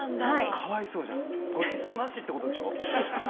かわいそうじゃんごちそうなしってことでしょ？